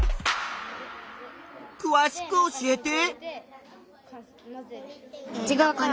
くわしく教えて。